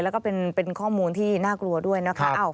แล้วก็เป็นข้อมูลที่น่ากลัวด้วยนะคะ